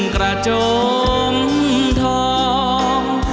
กระจงทอง